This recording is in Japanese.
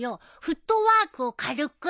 フットボールを軽く。